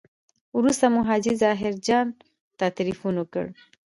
وروسته مو حاجي ظاهر جان ته تیلفون وکړ.